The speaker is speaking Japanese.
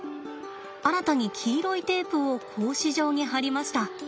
新たに黄色いテープを格子状に貼りました。